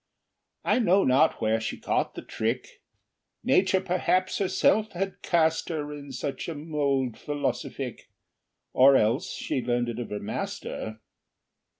I know not where she caught the trick; Nature perhaps herself had cast her In such a mold |philosophique|, Or else she learned it of her master.